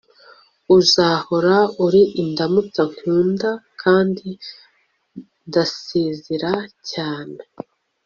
uzahora uri indamutso nkunda kandi ndasezera cyane